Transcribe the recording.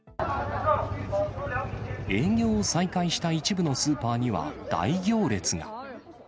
営業を再開した一部のスーパーには大行列が。